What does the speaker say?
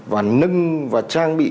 và nâng và trang bị